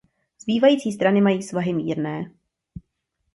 Zbývající strany mají svahy mírné.